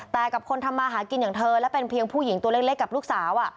แต่กับคนทำมาหากินอย่างเธอและเป็นเพียงผู้หญิงตัวเล็กกับลูกสาว